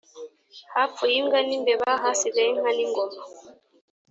hapfuye imbwa n'imbeba hasigaye inka n' ingoma.